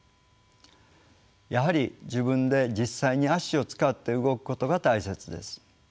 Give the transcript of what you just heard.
やはり自分で実際に足を使って動くことが大切です。